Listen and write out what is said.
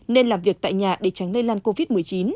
nên làm việc tại nhà để tránh lây lan covid một mươi chín